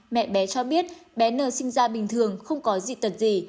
mẹ bé cho biết bé nờ sinh ra bình thường không có dị tật gì